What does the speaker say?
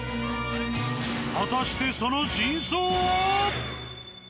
果たしてその真相は！？